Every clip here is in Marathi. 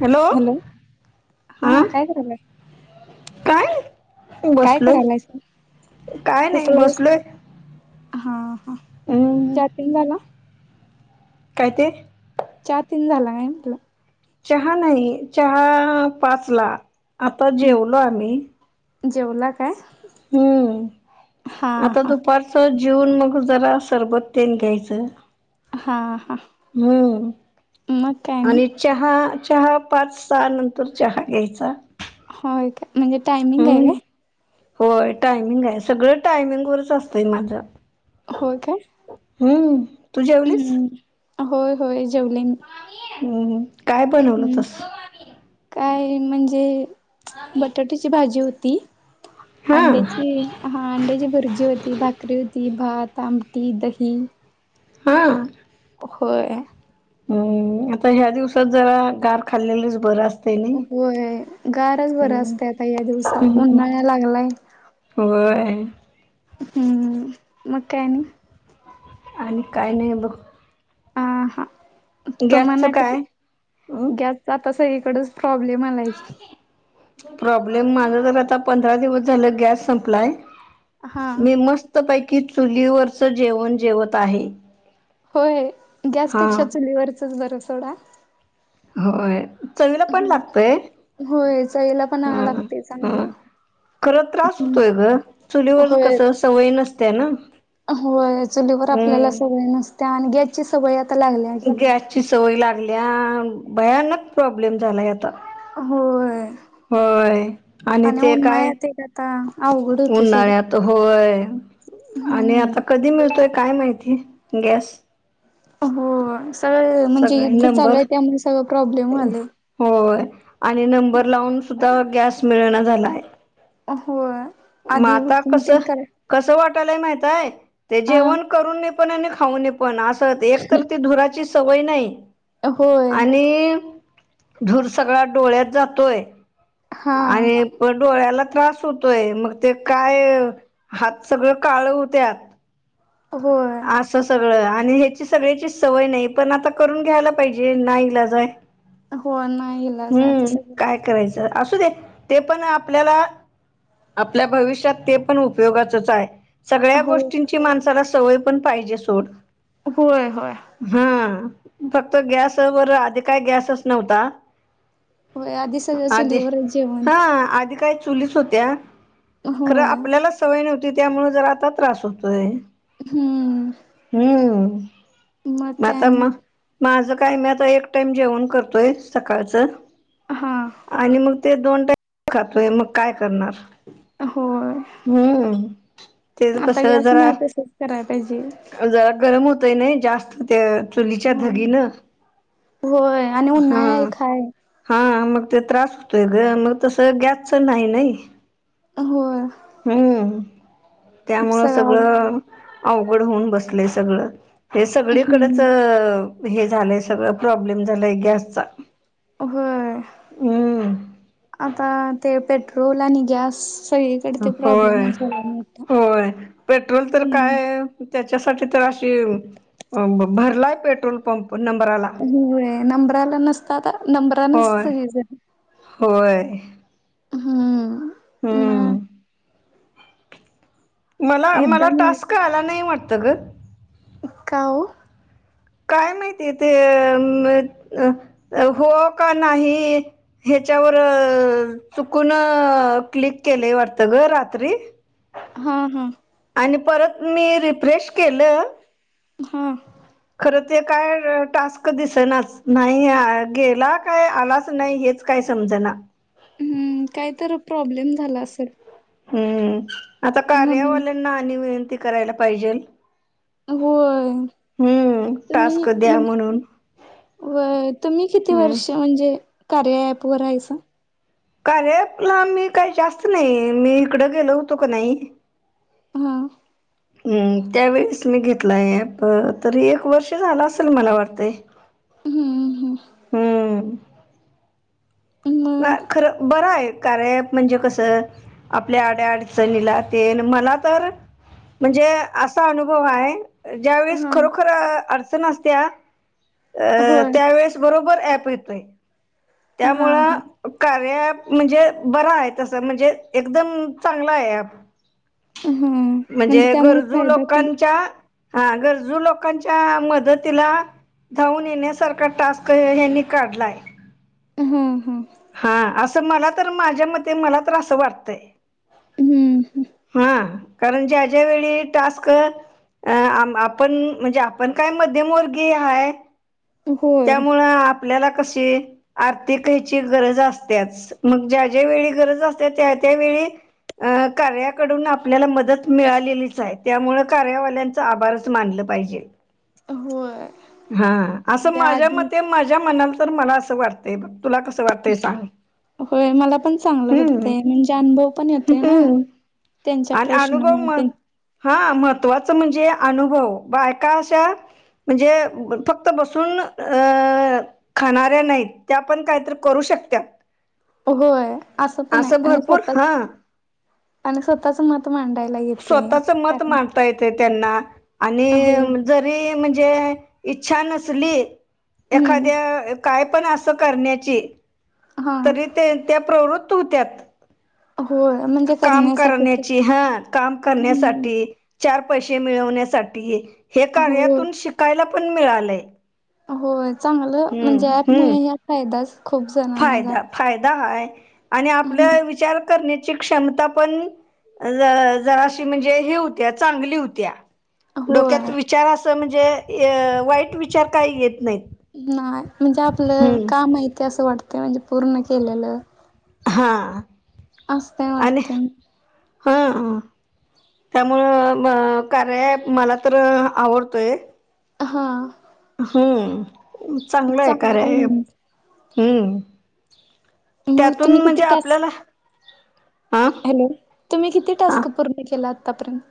हॅलो हा काय करायलाय काय? काय बसलोय करायलाय स काय नाही बसलोय. हां हा हम्म, चहा पिऊन झाला? काय ते? चहा तेन झाला काय म्हटलं. चहा नाही चहा पाचला आता म्हटलं जेवलो आम्ही. जेवला काय? हा हम्म आता हा दुपार असं जीवुन मग जरा सरबत तेन घ्यायचं हा हा. हम मग काय नाही आणि चहा चहा पाच सहा नंतर चहा घ्यायचा. होय काय म्हणजे टायमिंग आहे हम्म काय? होय टाइमिंग आहे सगळं टायमिंग वरच असतंय माझं. होय काय? हम्म तू जेवलीस? होय होय जेवले मी. हम्म हम्म काय बनवलं हम्म होतस? काय म्हणजे बटाट्याची भाजी होती. हा अंड्याची हां अंड्याची भुर्जि होती, भाकरी होती, भात, आमटी, दही. हां. होय. हम्म, आता ह्या दिवसात जरा गार खाल्लेलंच बरं अस होय गारच बरं असतंय आता या दिवसात हम्म. उन्हाळ्या लागलाय. होय. हम्म मग काय नाही. आणि काही नाही बघ. आ हा गॅसचं काय? [unintelligible] अं आता सगळी कडच प्रॉब्लेम आलाय की. प्रॉब्लेम माझा जर आता पंधरा दिवस झालं गॅस संपलाय. हा मी मस्त पैकी चुलीवरच जेवण जेवत आहे. होय हा गॅसपेक्षा चुलीवरचच बरं सोडा. होय चवीला पण हम्म, लागतंय होय चवीला पण ह लागते ह. चांगलं खरं त्रास होतोय गं चुलीवर होय कसं सवय नसते ना. होय चुलीवर आपल्याला हम्म सवय नसत्या आणि गॅसची सवय आता लागल्या आहे. ची सवय लागल्या भयानक प्रॉब्लेम झालाय आत होय आणि ते काय उन्हाळ्यात एक आता अवघड होतंय सगळं. तर होय आणि हम्म आता कधी मिळतोय काय माहिती गॅस? होय सगळं म्हणजे सगळे युद्ध चालू नंबर आहे त्यामुळे सगळं प्रॉब्लेम व्हालंय. होय आणि नंबर लावून सुद्धा गॅस मिळणा झालायं. ओ होय आधी हे होतीन तेन कसं कर कसं वाटालय माहिताय ते जेवण अ करूनी पण आणि खाऊनी पण असं ते एक तर ती धुराची सवय नाही, होय आणि धूर सगळा डोळ्यात जातोय हा आहे. परत डोळ्याला त्रास होतोय मग ते काय हात सगळं काळ होत्यात. होय. असं सगळं आणि ह्याची सगळ्याची सवय नाही पण आता करून घ्यायला पाहिजे नाइलाज आहे. हो नाही ईलाज आहे आता हम्म सगळं काय करायचं, असू दे ते पण आपल्याला आपल्या भविष्यात ते पण उपयोगाचच आहे. सगळ्या हो गोष्टींची माणसाला सवय पण पाहिजे सोड. होय होय हा फक्त गॅसवर आधी काय गॅसचा नव्हता. होय आधी सगळं आधी चुलीवरच जेवण हा आधी काय. चुलीच होत्या खरं होय आपल्याला सवय नव्हती त्यामुळे जरा आता त्रास होतोय. हम्म. मग हम्म, काय आता आणि मग. माझं काय मी आता एक टाइम जेवण करतोय सकाळचं. हा आणि मग ते दोन टाईम खातोय मग काय करणार. होय हम्म तेच कसं जरा करायला पाहिजे. जरा गरम होतंय नाही जास्त त्या चुलीच्या होय धगीनं. होय. आणि हा उन्हाळा एक हाय हा मग ते त्रास होतोय ग मग तसं गॅसच नाही नाही. होय. हम्म त्यामुळं सगळं अवघड होऊन बसलंय सगळं. हे हम्म सगळीकडचं हे झालंय सगळं प्रॉब्लेम झालाय गॅसचा. होय हम्म आता ते पेट्रोल आणि गॅस सगळी होय होय पेट्रोल तर हम्म. काय त्याच्यासाठी तर अशी ब भरलाय पेट्रोल पंप नंबराला. होय आता नंबरला नसता तर नंबरान होय सगळीजण. होय. हम्म मग. हम्म मला एकदा मला टास्क आला नाही वाटतं ग? का ओ? काय माहिती ते हो का नाही ह्याच्यावर चुकून क्लिक केलेय वाटतंय गं रात्री. हा हा. आणि परत मी रिफ्रेश केलं. हम्म. खरं ते काय टास्क दिसनाचं नाही आ गेला काय आलाचं नाही हेच च काय समजना. हम्म काय तर प्रॉब्लेम झाला असेल? हम्म आता म्हणून कार्यावाल्यांना आणि विनंती करायला पाहिजेल. होय हम्म टास्क द्या म्हणून. व्हंय तुम्ही किती हम्म वर्ष म्हणजे कार्या ॲपवर हायसा? कार्या अँपला मी काही जास्त नाही, मी इकडं गेलो होतो का नाही? हा. हम्म त्यावेेळेस मी घेतलाय ॲप तरी एक वर्ष झालं असेल असं मला वाटतंय? हम्म. हम्म हम्म. मग खरं बरं आहे कार्या ॲप म्हणजे कसं आपल्या अडी अडचणीला तेन मला तर म्हणजे असा अनुभव आहे ज्यावेेळेस हा खरोखर अडचण असत्या अ होय त्यावेेळेस बरोबर ॲप येतोय. हा त्यामुळं हा कार्या अँप म्हणजे बरा आहे तसं म्हणजे एकदम चांगला आहे ॲप. हा म्हणजे त्यामुळे गरजू फायदा पण लोकांच्या हा गरजू लोकांच्या मदतीला धावून येण्यासारख टास्क यांनी काढलाय. हम्म हम्म. हा असं मला तर माझ्या मते मला तर असं वाटतंय. हम्म कारणं कां अश्यां वेळी टास्कं अं आपणं म्हणजे कायं मध्यंम वगिय आहेतं होय त्यामुळं आपल्यांला कसे आर्थिक ह्यांची गरजं असतंच मगं ज्यां ज्यां वेळी गरजं असते त्यां त्यां वेळी अं कार्याकडूंन आपल्यांला मंदत मिळालेलीचं आहे त्यांमुळे कार्यावाल्यां आभारंच मानलं पाहिजेल होयं माझ्यां मते माझ्यां मनांला तरं मलां असं वाटतंय तुलां कसं वाटतंय सांग होयं मलां पणं चांगलं हम्म वाटतंय म्हणजे अनुभव पणं येतोय नां हम्म त्यांचा प्रश्न मिटते हां महत्त्वाचं म्हणजे अनुभव बायकां अशा म्हणजे फक्तं बसं हो अं खणांऱ्या नाहीं त्यां आपणं कांहींतरं करूं शकतां होयं असं पणं आहे आणि भरपूर स्वंतःचं हां आणि स्वंतःचं मतं मांडायला येते स्वंतःचं मतं कारण मांडता येते त्यांना हो आणि जरी म्हणजे इच्छां नसली हम्म एखाद्यां कायं पणं असं असं करण्यांची हा तरी त्यां प्रवृत होत्यां होय म्हणजे कामं करण्यासाठीच करण्यांची हं कामं हम्म करण्यांसाठी चार पैसे मिळवण्यांसाठी हे हो कार्यातूंन शि शिकायंला पणं मिळालंय आहे होयं चांगलं म्हणजे आंत नाहीं ह्यां महिन्यांत फायदांयाच फायदां फायदां हांय आणि आपल्यां विचारं करण्यांची क्षमतां पणं जरां म्हणजे हे होत्यां चांगली होत्यां डोक्यांत होय विचारं असं म्हणजे वाईट विचारं कांहीं येतं नाहींत नाहीं म्हणजे आपलं कामं आहेहिती असं वाटतं म्हणजे पूर्ण केलेलं हां अस्सल नाहीं आणि वाटतं हां त्यामुळं कार्यायाप मलां तरं आवडतोय हां हम्मं चांगलं आहे चांगला कार्य ॲप म्हणजे हम्मं त्यां मग तुम्ही तूंन किती टास्क आपल्यांला हॅलो तुम्हीं किती टास्कं पूर्ण केलां आत्तापर्यंत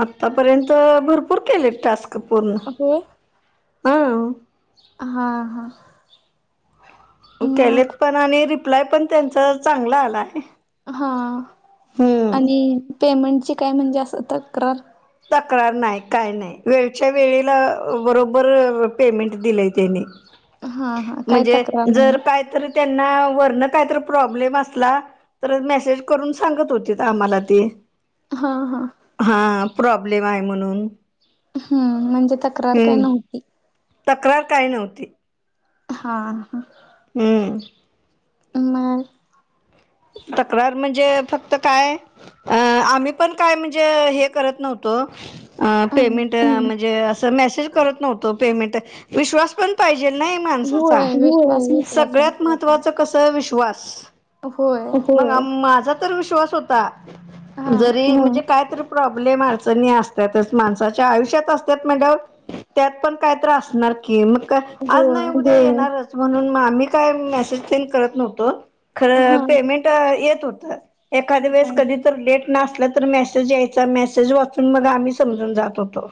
आंतापर्यंत भरंपूर केले टास्कं पूर्ण होय हांव हां हां केलेतं पणं आणि रिप्लांय पणं त्यांच चांगलं आलांय हां आणि पेमेंटची कायं म्हणजे असं तक्रार तक्रार नाहीं कायं नाहीं वेळच्यां वेळेलां बरोबर पेमेंट दिलंय त्यांनी हं हं म्हणजे जरं कांहींतरी त्यांना वरणं कांहींतरी प्रॉब्लेम असलां तरं मेसेज करूंन सांगत होती कां आम्हांला ते हां हां हां प्रॉब्लेम आहे म्हणूंन हां हम्मं म्हणजे त्यांला हम्मं तक्रार कांहीं नव्हती हां हम्मं मग. तक्रार म्हणजे फक्त काय? अ आम्ही पण काय म्हणजे हे करत नव्हतो. पेमेंट म्हणजे अस मेसेज करत नव्हतो, पेमेंट विश्वास पण पाहिजे नाही माणसाचा, होय विश्वास महत्वाचा आहे सगळ्यात महत्त्वाच कसं विश्वासं. होय माझा तर विश्वास होता, हा जरी म्हणजे कायतरं प्रॉब्लेम अडचणी असतातचं, माणसाच्या आयुष्यात असतात म्हंटल्यावर त्यात पण काय तर असणार की. कि मग का आज नाही होय. उद्या येणारचं म्हणून आम्ही काय मेसेज सेंड करत नव्हतो. हा. खरं पेमेंट येत होतं, एखाद्या वेळेस हा. कधी लेट नसला तर मेसेज यायचा मेसेज वाचून मग आम्ही समजून जात होतो.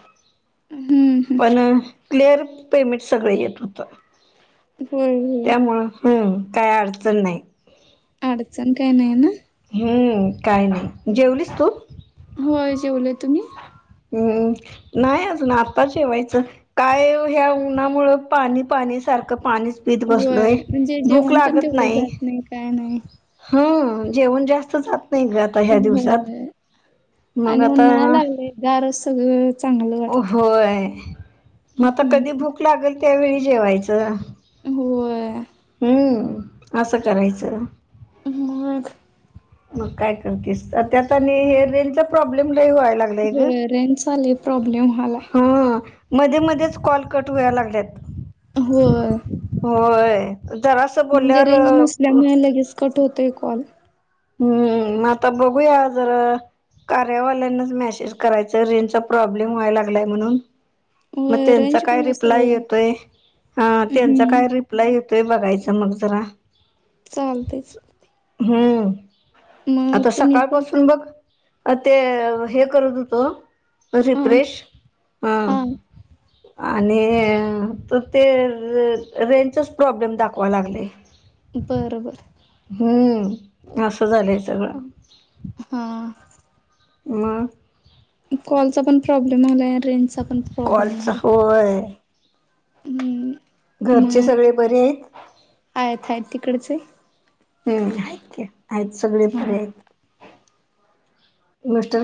हम्म हम्म. पण क्लिअर पेमेंट सगळं येतं होतं. होय होय. त्यामुळं, हम्म... काय अडचण नाही. अडचण काही नाहीना. हम्म.. काय नाही, जेवलीस तू? होयं.... जेवले, तुम्ही? हम्म... नाही अजून आत्ताच जेवायचं. काय ह्या उन्हामुळं पाणी पाणी सारखं पाणी पीत होय. बसलोयं, म्हणजे भूक जेवण पण लागत तेवढं नाही. जात काय नाही. हम्म.. जेवण जास्त जात नाही आत आणि आता उन्हाळा लागलायं गारचं सगळं चांगलं वाटते. होययं... मग आता कधी हम्म. भूक लागेल त्यावेळी जेवायचं. होयं... हम्म.. असं करायचं. मग. मग काय करतेस, सध्या तर हे रेंजचा प्रॉब्लेम लयं व्हायला लागलायं. हम्म रेंज चा लयं प्रॉब्लेम व्हालायं. हा मध्ये मध्येच कॉल कट व्हायाला लागल्यात. होयं. होय जरा असं रेंज बोलल्यावर नसल्यामुळे लगेच कट होतेयं कॉल. हम्म... आता बघूया जरा कार्यावाल्यांनाच मॅसेज करायचं रेंजचा प्रॉब्लेम व्हायला लागलायं म्हणून मग होय. त्यांचा रेंज काय मुळं असं रिप्लाय व्हायलय. येतोयं हा त्यांच हम्म. काय र् लयं येतोयं बघायचा मग जरा. चालतयंच. हम्म.. आता तुम्ही पण सकाळपासून बघं. ते हे करत होतो अ रिफ्रेश, हां... हा आणि तर ते रेंजचाच प्रॉब्लेम दाखवायाला लागलयं. बरं.. बरं. हम्म.. असं झालयं सगळं. हा. मग. कॉलचा प्रॉब्लेम आलायं रेंजचा पण प्रॉब्लेम काॅलचा, आलाय होयं.... हम्म घरचे मग सगळे बरे आहेत आहेत आहेत तिकडचे हम् आहेत की आहेत सगळे हा बरे आहेत मिस्टर